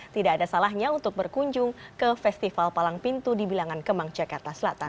tidak ada salahnya untuk berkunjung ke festival palang pintu di bilangan kemang jakarta selatan